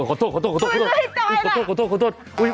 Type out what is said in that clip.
โอ้โฮขอโทษขอย่ากูจะให้จอยอ่ะ